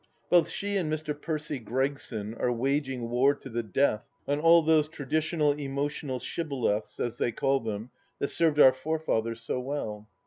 Both she and Mr. Percy Gregson are waging war to the death on all those traditional emotional shibboleths — ^as they call them— that served our forefathers so well.